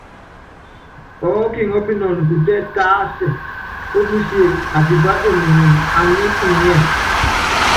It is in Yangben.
Ɔɔ́ kiŋɔ́pinɔnɔ kutɛ́ tásia ópusíé atipá emenyene aní inyiɛ́.